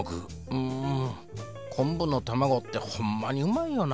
うん昆布のたまごってほんまにうまいよな。